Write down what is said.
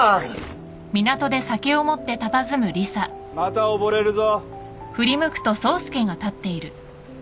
・また溺れるぞ。